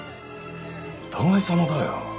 お互いさまだよ。